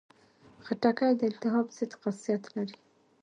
خټکی د التهاب ضد خاصیت لري.